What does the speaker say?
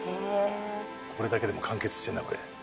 これだけで完結してるなこれ。